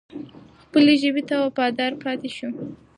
خپلې ژبې ته وفادار پاتې شو.